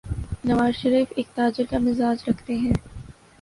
نوازشریف ایک تاجر کا مزاج رکھتے ہیں۔